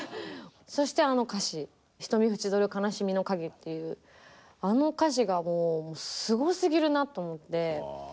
そしてあの歌詞「瞳ふちどる悲しみの影」っていうあの歌詞がもうすごすぎるなと思って。